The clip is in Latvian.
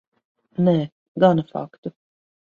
Nē, gana faktu.